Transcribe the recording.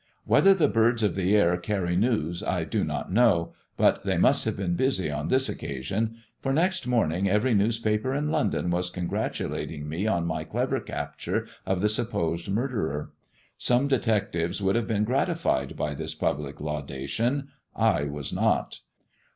Whether the birds of the air carry news I do not know^ but they must have been busy on this occasion, for next moming every newspaper in London was congratulating me on my clever capture of the supposed murderer. Some detectives would have been gratified by this public laudation — I was not.